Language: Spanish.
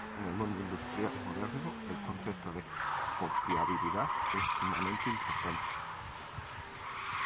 En el mundo industrial moderno, el concepto de confiabilidad es sumamente importante.